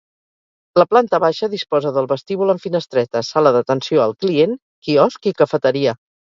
La planta baixa disposa del vestíbul amb finestretes, sala d'atenció al client, quiosc i cafeteria.